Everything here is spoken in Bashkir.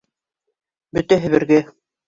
Бөтәһе бергә.